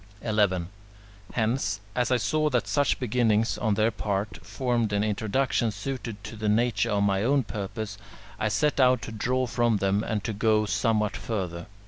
11. Hence, as I saw that such beginnings on their part formed an introduction suited to the nature of my own purpose, I set out to draw from them, and to go somewhat further.